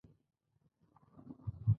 پړانګ د زړورتیا نښه ګڼل کېږي.